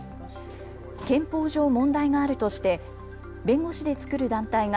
憲法上、問題があるとして弁護士で作る団体が